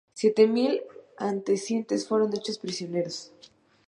Siete mil atenienses fueron hechos prisioneros.